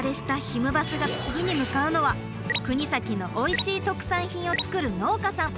バスが次に向かうのは国東のおいしい特産品を作る農家さん。